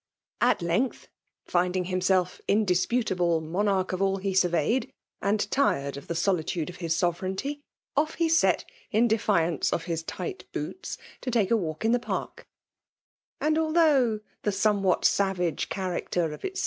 ... ciifAti length* .finding himself indisputable m^ narch of all he surveyed^ and tired of the soli^ tfiderof .faia aovereigntyi off he set* in defiance oCJuB.tjg^t bocyta^ to take a walk in the parki and althongh the somewhat savage character Of >4ta